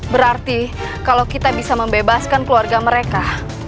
berarti kalau kita bisa membebaskan keluarga mereka